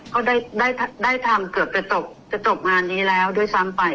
เขาได้ทำเกือบจะจบทำงานนี้แล้วโดยซ้ำไป